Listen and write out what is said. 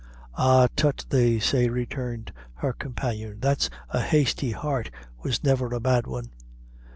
"Ah, tut they say," returned her companion, "that a hasty heart was never a bad one."